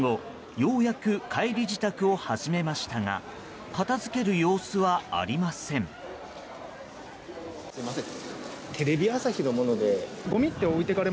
ようやく帰り支度を始めましたが片づける様子はありません。